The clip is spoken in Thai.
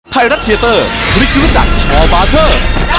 ไทยรัฐเทียตเตอร์บริกฤษจากฮบาทเทอร์